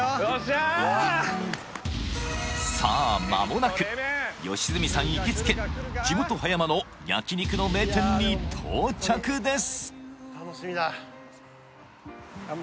さあまもなく良純さん行きつけ地元葉山の焼肉の名店に到着です！